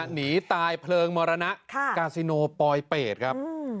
หนีตายเพลิงมรณะกาซิโนปลอยเป็ดครับ